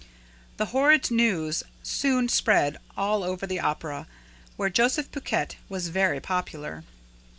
The horrid news soon spread all over the Opera, where Joseph Buquet was very popular.